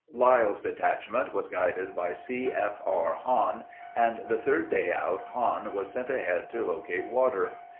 Lyle's detachment was guided by C. F. R. Hahn and the third day out Hahn was sent ahead to locate water.